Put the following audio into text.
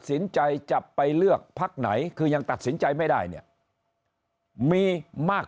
สินใจจะไปเลือกพักไหนคือยังตัดสินใจไม่ได้เนี่ยมีมาก